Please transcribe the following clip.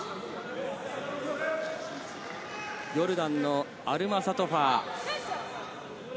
ヨルダンのアルマサトファ。